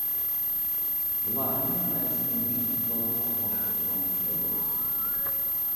بۇلار ھەممە نەرسىنى يۇمشاق دېتال ئارقىلىق باشقۇرىدىغان ئوخشايدۇ.